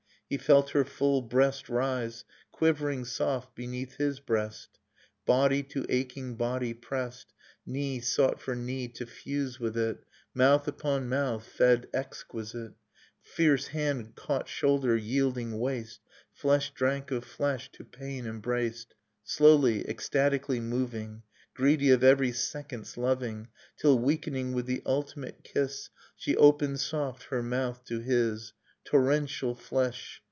He felt her full breast rise Quivering, soft, beneath his breast; Body to aching body pressed, Knee sought for knee to fuse with it; Mouth upon mouth fed exquisite; Fierce hand caught shoulder, yielding waist, Flesh drank of flesh, to pain embraced, Slowly, ecstatically moving. Greedy of every second's loving; Till, weakening with the ultimate kiss. She opened soft her mouth to his. Torrential flesh!